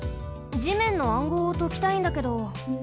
地面の暗号をときたいんだけど。